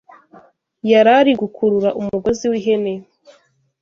yari ari gukurura umugozi w’ ihene